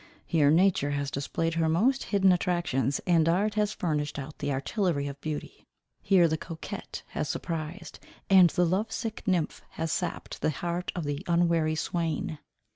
Here nature has displayed her most hidden attractions, and art has furnished out the artillery of beauty. Here the coquet has surprised, and the love sick nymph has sapped the heart of the unwary swain.